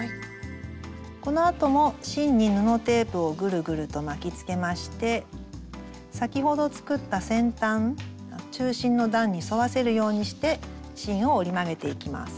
このあとも芯に布テープをぐるぐると巻きつけまして先ほど作った先端中心の段に添わせるようにして芯を折り曲げていきます。